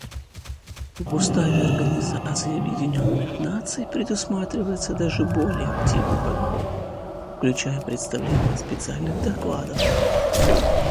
В Уставе Организации Объединенных Наций предусматривается даже более активный подход, включая представление специальных докладов.